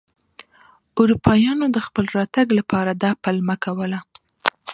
اروپایانو د خپل راتګ لپاره دا پلمه کوله.